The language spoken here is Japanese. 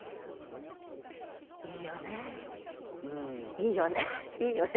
いいよねいいよね。